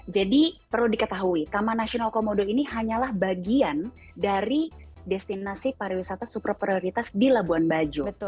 jadi perlu diketahui taman nasional komodo ini hanyalah bagian dari destinasi para wisata super prioritas di labuan bajo